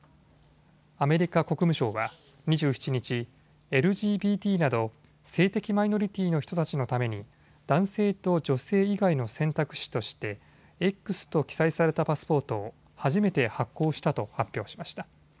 アメリカ国務省は２７日、ＬＧＢＴなど性的マイノリティーの人たちのために男性と女性以外の選択肢としてＸと記載されたパスポートを初めて発行したと発表しました。